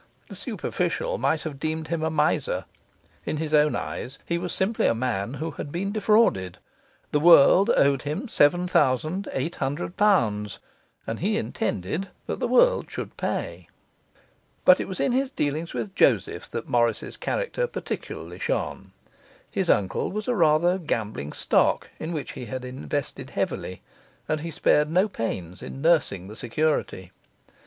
The superficial might have deemed him a miser; in his own eyes he was simply a man who had been defrauded; the world owed him seven thousand eight hundred pounds, and he intended that the world should pay. But it was in his dealings with Joseph that Morris's character particularly shone. His uncle was a rather gambling stock in which he had invested heavily; and he spared no pains in nursing the security.